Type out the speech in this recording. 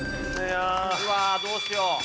うわあどうしよう。